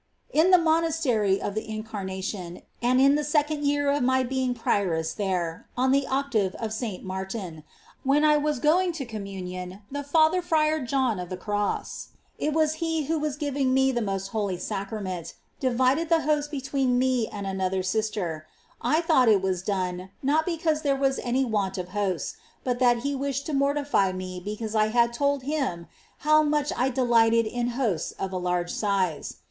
19. In the monastery of the Incarnation, and in S. John of .11 the Cross the sccoud vcar of my beine: prioress there, on the mortifies the ^^. n x ./^ Saint at her Octavc of S. Martin, whcu I was going to Com munion, the Father Fr. John of the Cross,^ — it was he who was giving me the most Holy Sacrament, — divided the Host between me and another sister. I thought it was done, not because there was any want of Hosts, but that he wished to mortify me because I had told him how much I delighted in Hosts of a large size.